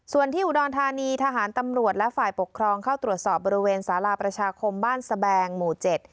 ส่วนที่อุดรธานีทหารตำรวจและฝ่ายปกครองเข้าตรวจสอบบริเวณสาราประชาคมบ้านสแบงหมู่เจ็ด